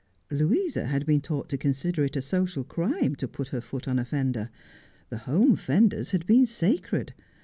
Louisa had been taught to consider it a social crime to put her foot on a fender. The home fenders had been sacred.